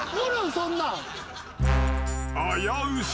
そんなん。